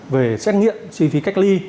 về xét nghiệm chi phí cách ly